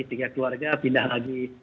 tiga keluarga pindah lagi